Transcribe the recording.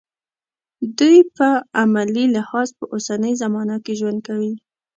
دوی په عملي لحاظ په اوسنۍ زمانه کې ژوند کوي.